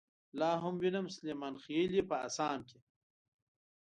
لاهم وينم سليمانخيلې په اسام کې